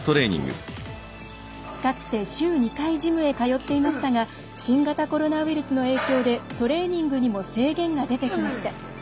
かつて、週２回ジムへ通っていましたが新型コロナウイルスの影響でトレーニングにも制限が出てきました。